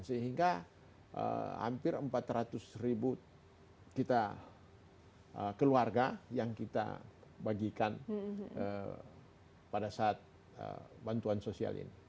sehingga hampir empat ratus ribu kita keluarga yang kita bagikan pada saat bantuan sosial ini